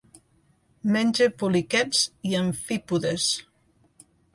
Menja poliquets i amfípodes.